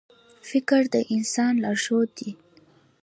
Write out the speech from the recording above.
• فکر د انسان لارښود دی.